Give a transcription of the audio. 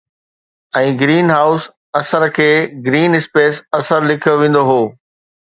۽ greenhouse اثر کي green space اثر لکيو ويندو هو